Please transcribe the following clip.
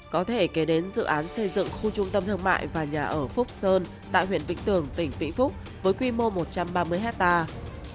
có thể kể đến dự án xây dựng khu trung tâm thương mại và nhà ở phúc sơn tại huyện vĩnh tường tỉnh vĩnh phúc với quy mô một trăm ba mươi hectare